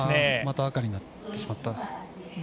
また赤になってしまった。